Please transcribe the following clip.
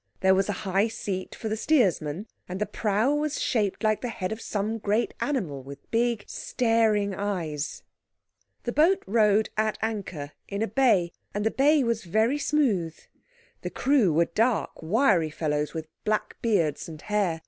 There was a high seat for the steersman, and the prow was shaped like the head of some great animal with big, staring eyes. The boat rode at anchor in a bay, and the bay was very smooth. The crew were dark, wiry fellows with black beards and hair.